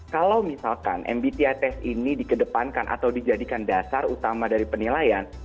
kalau misalkan mbti tes ini dikedepankan atau dijadikan dasar utama dari penilaian